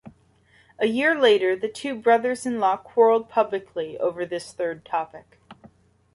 A year later, the two brothers-in-law quarreled publicly over this third topic.